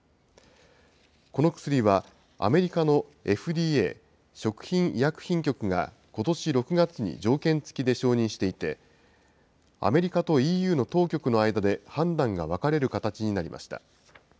この薬は、アメリカのＦＤＡ・食品医薬品局が、ことし６月に条件付きで承認していて、アメリカとＥＵの当局の間で判断が分かれる形になりました。